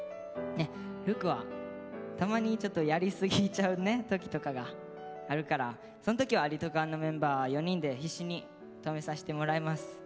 琉巧はたまにちょっとやりすぎちゃう時とかがあるからその時はリトかんのメンバー４人で必死に止めさせてもらいます。